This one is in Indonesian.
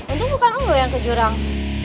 untung bukan lo yang ke jurang